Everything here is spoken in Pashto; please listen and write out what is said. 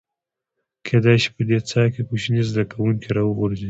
کېدای شي په دې څاه کې کوچني زده کوونکي راوغورځي.